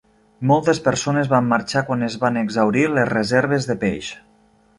Moltes persones van marxar quan es van exhaurir les reserves de peix.